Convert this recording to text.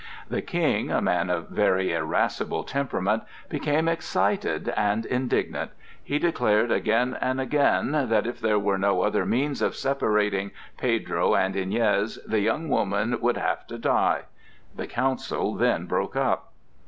The King, a man of very irascible temperament, became excited and indignant; he declared again and again that, if there were no other means of separating Pedro and Iñez, the young woman would have to die. The council then broke up.